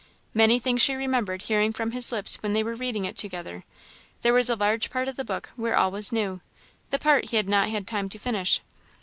Many things she remembered hearing from his lips when they were reading it together; there was a large part of the book where all was new; the part he had not had time to finish.